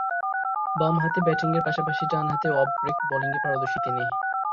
বামহাতে ব্যাটিংয়ের পাশাপাশি ডানহাতে অফ ব্রেক বোলিংয়ে পারদর্শী তিনি।